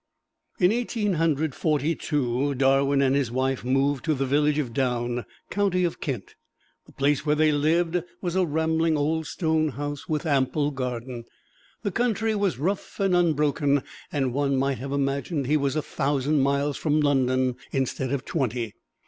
In Eighteen Hundred Forty two, Darwin and his wife moved to the village of Down, County of Kent. The place where they lived was a rambling old stone house with ample garden. The country was rough and unbroken, and one might have imagined he was a thousand miles from London, instead of twenty.